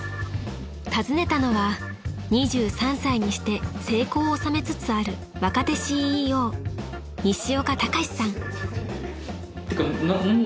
［訪ねたのは２３歳にして成功を収めつつある若手ＣＥＯ西岡貴史さん］